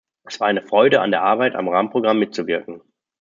Es war eine Freude, an der Arbeit am Rahmenprogramm mitzuwirken.